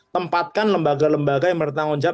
tempatkan lembaga lembaga yang bertanggung jawab